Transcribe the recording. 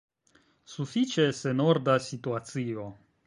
Sufiĉe senorda situacio.